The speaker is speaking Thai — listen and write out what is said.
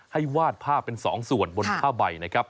ให้วาดภาพเป็นสองส่วนบนผ้าใบนะครับ